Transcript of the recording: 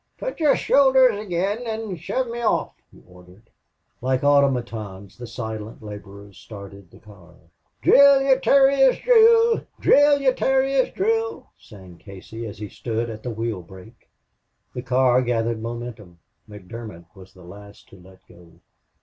"Put yer shoulders ag'in' an' shove me off," he ordered. Like automatons the silent laborers started the car. "Drill, ye terriers, drill! Drill, ye terriers, drill!" sang Casey, as he stood at the wheel brake. The car gathered momentum. McDermott was the last to let go.